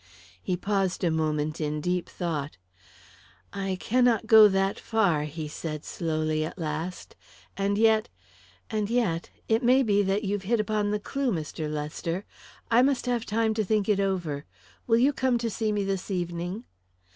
He paused a moment in deep thought. "I cannot go that far," he said slowly, at last. "And yet and yet it may be that you've hit upon the clue, Mr. Lester. I must have time to think it over. Will you come to see me this evening?"